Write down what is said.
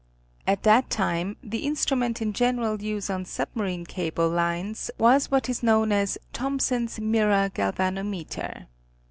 At that time the instru ment in general use on submarine cable lines was what is known as Thompson's mirror galvanometer.